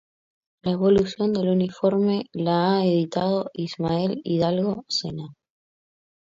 La evolución del uniforme la ha editado Ismael Hidalgo Sena.